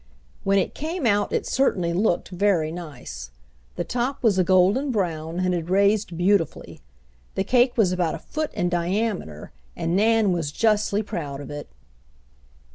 When it came out it certainly looked very nice. The top was a golden brown and had raised beautifully. The cake was about a foot in diameter and Nan was justly proud of it.